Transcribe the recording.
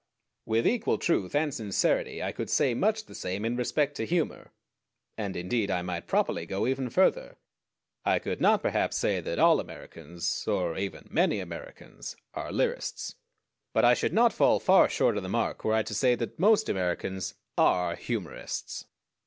With equal truth and sincerity I could say much the same in respect to humor, and indeed I might properly even go further. I could not perhaps say that all Americans, or even many Americans, are lyrists; but I should not fall far short of the mark were I to say that most Americans are humorists.